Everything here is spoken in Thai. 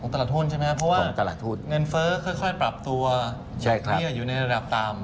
ของตลาดหุ้นใช่ไหมครับเพราะว่าเงินเฟ้อค่อยปรับตัวอยู่ในระดับต่ำ